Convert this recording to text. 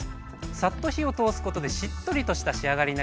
サッと火を通すことでしっとりとした仕上がりになります。